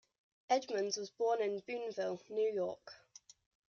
Edmonds was born in Boonville, New York.